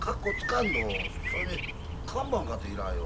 それに看板かていらよ。